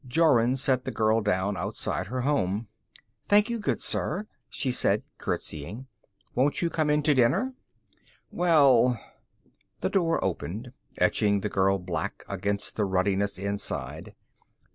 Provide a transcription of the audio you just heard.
Jorun set the girl down outside her home. "Thank you, good sir," she said, curtseying. "Won't you come in to dinner?" "Well " The door opened, etching the girl black against the ruddiness inside.